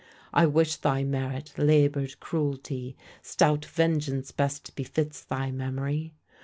I wish thy merit, laboured cruelty; Stout vengeance best befits thy memory.